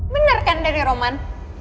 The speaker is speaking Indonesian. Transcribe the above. bener kan dari roman